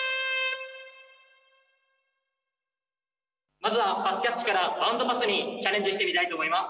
まずはパスキャッチからバウンドパスにチャレンジしてみたいと思います。